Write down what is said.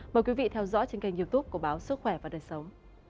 mời quý vị theo dõi trên kênh youtube của báo sức khỏe và đời sống